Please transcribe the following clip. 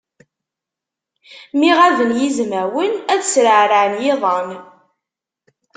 Mi ɣaben yizmawen, ad sreɛrɛen yiḍan.